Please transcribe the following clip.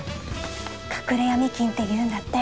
隠れヤミ金って言うんだって。